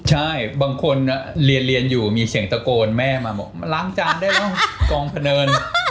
ใช่บางคนเรียนเรียนอยู่มีเสียงตะโกนแม่มาบอกมาล้างจานได้บ้างกองพะเนิน